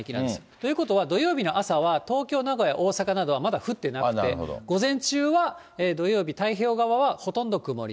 ということは、土曜日の朝は東京、名古屋、大阪などはまだ降ってなくて、午前中は土曜日、太平洋側はほとんど曇り。